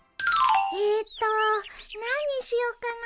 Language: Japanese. えっと何にしようかな。